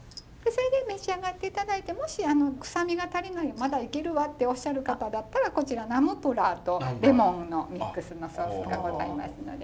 召し上がって頂いてもしクサみが足りないまだいけるわっておっしゃる方だったらこちらナンプラーとレモンのミックスのソースがございますので。